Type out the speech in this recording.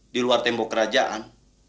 di luar tembok kerajaan